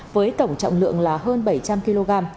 với tổng trọng lượng là hơn bảy trăm linh kg